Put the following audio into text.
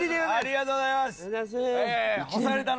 ありがとうございます。